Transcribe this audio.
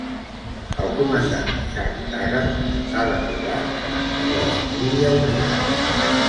El comandant Chuck Taggart ha de provar de mantenir la família unida.